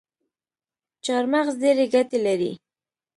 چارمغز ډیري ګټي لري